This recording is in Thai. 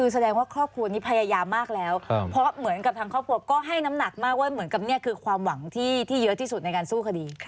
แสดงว่าครอบครัวนี้พยายามมากแล้วเพราะเหมือนกับทางครอบครัวก็ให้น้ำหนักมากว่าเหมือนกับนี่คือความหวังที่เยอะที่สุดในการสู้คดี